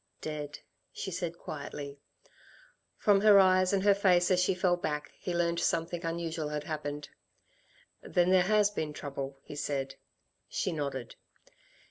"Dead," she said quietly. From her eyes and her face as she fell back, he learnt that something unusual had happened. "Then there has been trouble?" he said. She nodded.